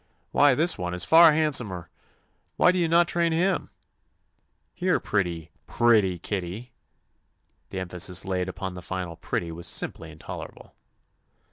"Why this one is far handsomer I Why do you not train him^ Here pretty, pretty kitty." The emphasis laid upon the final "pretty" was simply intolerable.